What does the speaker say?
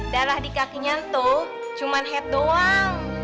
darah di kakinya tuh cuma head doang